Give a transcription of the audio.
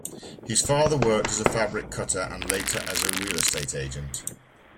His father worked as a fabric cutter and later as a real estate agent.